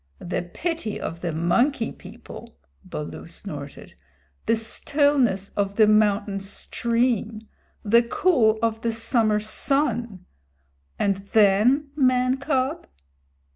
"The pity of the Monkey People!" Baloo snorted. "The stillness of the mountain stream! The cool of the summer sun! And then, man cub?"